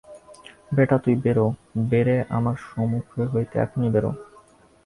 বেটা, তুই বেরো, বেরে আমার সুমুখ হইতে এখনি বেরো।